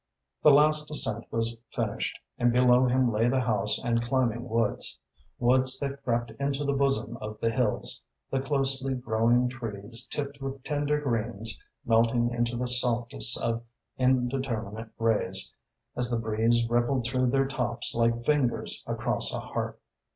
The last ascent was finished and below him lay the house and climbing woods, woods that crept into the bosom of the hills, the closely growing trees tipped with tender greens melting into the softest of indeterminate greys as the breeze rippled through their tops like fingers across a harp.